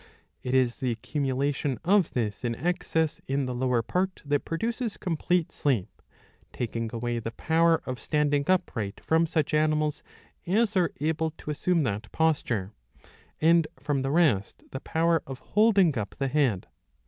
It is the accumulation of this in excess in the lower part that produces complete sleep, taking away the power of standing upright from such animals as are able to assume that posture ; and from the rest the power of holding up the head.